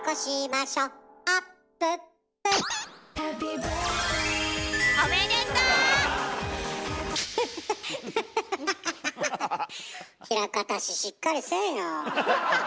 枚方市しっかりせえよ。